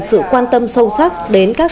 sự quan tâm sâu sắc đến các